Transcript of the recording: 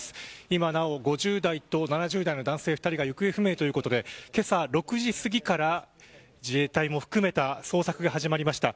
今なお、５０代と７０代の男性２人が行方不明ということでけさ６時すぎから自衛隊も含めた捜索が始まりました。